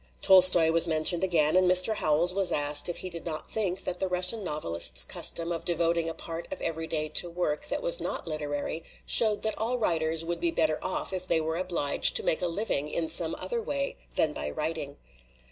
Tolstoy was mentioned again, and Mr. Howells 10 WAR STOPS LITERATURE was asked if he did not think that the Russian novelist's custom of devoting a part of every day to work that was not literary showed that all writers would be better off if they were obliged to make a living in some other way than by writing.